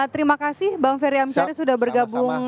terima kasih bang ferry amsari sudah bergabung